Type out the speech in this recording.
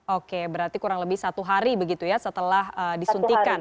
oke berarti kurang lebih satu hari begitu ya setelah disuntikan